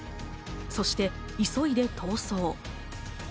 そして急いで逃走。